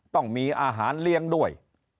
ต้องมีอาหารเลี้ยงด้วย